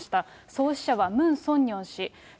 創始者はムン・ソンミョン氏。